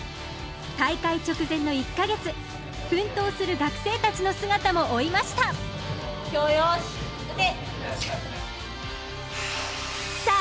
大会直前の１か月奮闘する学生たちの姿も追いましたさあ